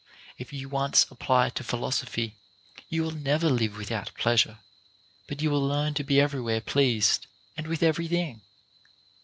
If you once apply to philosophy, you will never live without pleasure, but you will learn to be everywhere pleased, and with every thing.